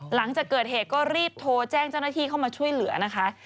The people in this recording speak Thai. หลังจากเกิดเหตุก็รีบโทรแจ้งเจ้าหน้าที่เข้ามาช่วยเหลือนะคะ